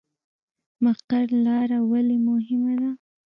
مقر لاره ولې مهمه ده؟